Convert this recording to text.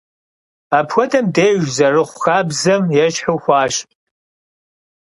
Апхуэдэм деж зэрыхъу хабзэм ещхьу хъуащ.